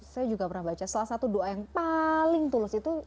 saya juga pernah baca salah satu doa yang paling tulus itu